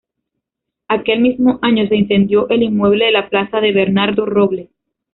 Aquel mismo año se incendió el inmueble de la Plaza de Bernardo Robles.